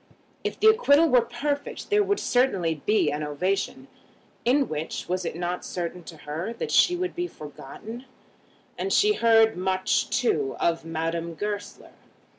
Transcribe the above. If the acquittal were perfect, there would certainly be an ovation, in which, was it not certain to her, that she would be forgotten? And she heard much, too, of Madame Goesler.